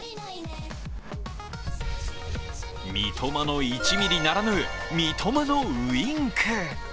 三笘の１ミリならぬ三笘のウインク。